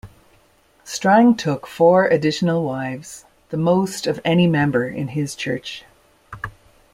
Strang took four additional wives, the most of any member in his church.